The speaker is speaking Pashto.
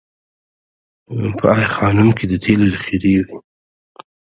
په ای خانم کې د تیلو ذخیرې وې